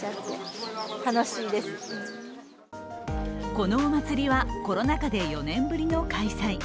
このお祭りはコロナ禍で４年ぶりの開催。